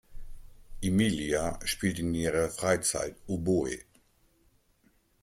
Emilia spielt in ihrer Freizeit Oboe.